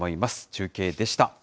中継でした。